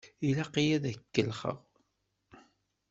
Ilaq-iyi ad k-kellexeɣ!